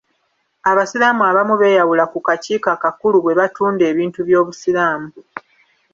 Abasiraamu abamu beyawula ku kakiiko akakulu bwe katunda ebintu by'obusiraamu.